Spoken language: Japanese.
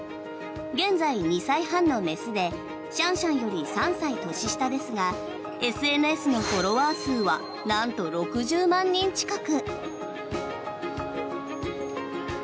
現在２歳半の雌でシャンシャンより３歳年下ですがＳＮＳのフォロワー数はなんと６０万人近く。